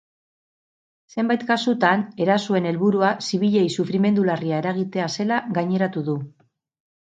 Zenbait kasutan erasoen helburua zibilei sufrimendu larria eragitea zela gaineratu du.